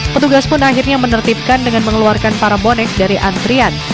petugas pun akhirnya menertibkan dengan mengeluarkan para bonek dari antrian